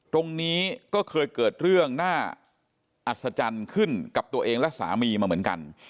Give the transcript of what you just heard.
ตรงนี้ก็เคยเกิดเรื่องน่าอัศจรรย์ขึ้นกับตัวเองและสามีมาเหมือนกัน